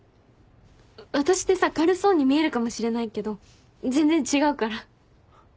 私ってさ軽そうに見えるかもしれないけど全然違うから。